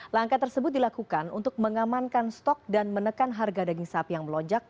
langkah tersebut dilakukan untuk mengamankan stok dan menekan harga daging sapi yang melonjak